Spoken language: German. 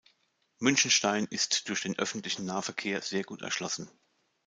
Münchenstein ist durch den öffentlichen Nahverkehr sehr gut erschlossen.